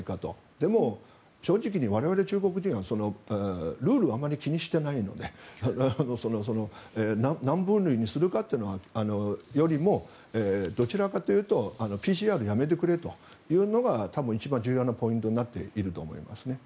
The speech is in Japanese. でも正直、我々中国人はルールをあまり気にしていないので何分類にするかというよりもどちらかというとＰＣＲをやめてくれというようのが多分一番重要なポイントになっていると思います。